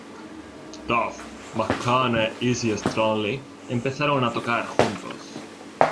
Duff McKagan e Izzy Stradlin empezaron a tocar juntos.